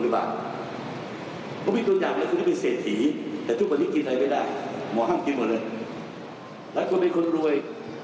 และคุณเป็นคนรวย